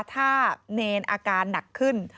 ถ้าเนรอาการหนักขึ้น